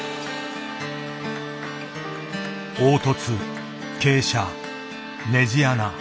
凹凸傾斜ねじ穴。